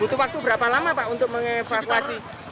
butuh waktu berapa lama pak untuk mengevakuasi